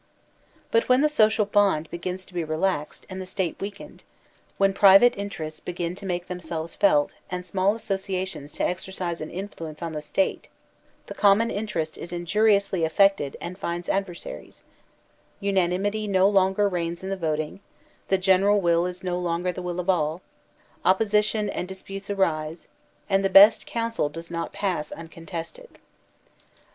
But when the social bond begins to be relaxed and the State weakened, when private interests begin to make themselves felt and small associations to exercise an influence on the State, the common interest is injuri ously affected and finds adversaries; unanimity no longer reigns in the voting; the general will is no longer the will of all; opposition and disputes arise, and the best counsel does not pass uncontested.